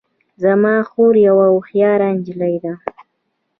زما خور یوه هوښیاره نجلۍ ده